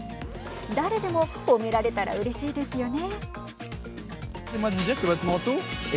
誰でも褒められたらうれしいですよね。